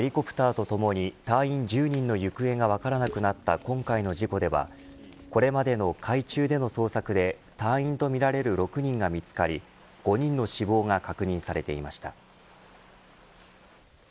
ヘリコプターとともに隊員１０人の行方が分からなくなった今回の事故では、これまでの海中での捜索で隊員とみられる６人が見つかり５人の死亡が確認されていました。